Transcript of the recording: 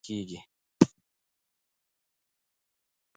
دا فشار خج بلل کېږي.